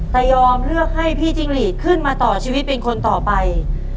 แต่ยอมเลือกให้พี่จิ้งหลีดขึ้นมาต่อชีวิตเป็นคนต่อไป